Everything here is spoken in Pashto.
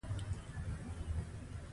هغه قوانین چې انسان د شي کچې ته راټیټوي.